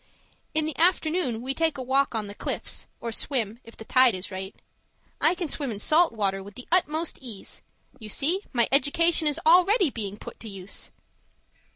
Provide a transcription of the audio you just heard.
In the afternoon we take a walk on the cliffs, or swim, if the tide is right. I can swim in salt water with the utmost ease you see my education is already being put to use!